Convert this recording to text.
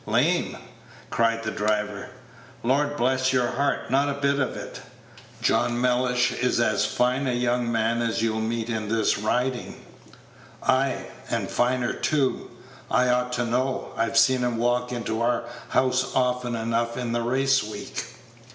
"Lame!" cried the driver; "Lord bless your heart, not a bit of it. John Mellish is as fine a young man as you'll meet in this Riding ay, and finer, too. I ought to know. I've seen him walk into our house often enough in the race week."